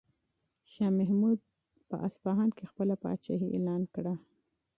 شاه محمود په اصفهان کې خپله پاچاهي اعلان کړه.